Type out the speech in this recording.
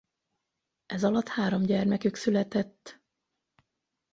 Ezalatt három gyermekük született.